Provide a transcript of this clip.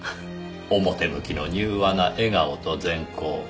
表向きの柔和な笑顔と善行。